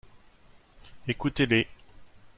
Écoutez-les.